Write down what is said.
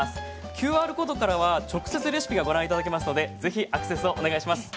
ＱＲコードからは、直接レシピがご覧いただけますのでぜひアクセスをお願いします。